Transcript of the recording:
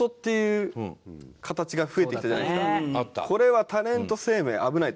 これはタレント生命危ないと。